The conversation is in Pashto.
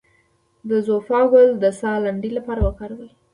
د زوفا ګل د ساه لنډۍ لپاره وکاروئ